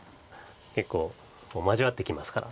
結構交わってきますから。